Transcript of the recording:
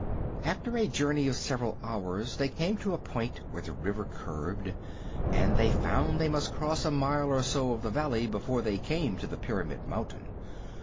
After a journey of several hours they came to a point where the river curved, and they found they must cross a mile or so of the Valley before they came to the Pyramid Mountain.